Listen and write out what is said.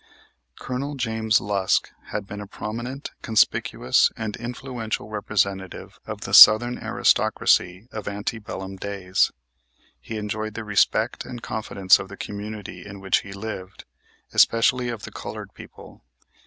Colonel James Lusk had been a prominent, conspicuous and influential representative of the Southern aristocracy of ante bellum days. He enjoyed the respect and confidence of the community in which he lived, especially of the colored people.